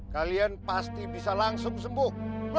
kalian pasti bisa langsung sembuh